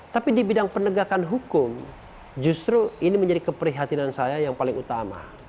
tapi di bidang penegakan hukum justru ini menjadi keprihatinan saya yang paling utama